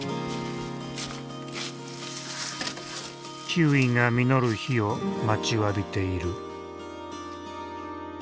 キウイが実る日を待ちわびている。